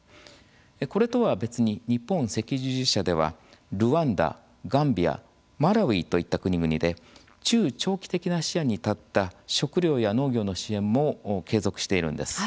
これとは別に日本赤十字社ではルワンダ、ガンビア、マラウイといった国々で中長期的な視野に立った食料や農業の支援も継続しているんです。